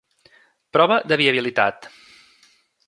Prova de viabilitat.